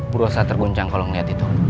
berusaha tergoncang kalau ngeliat itu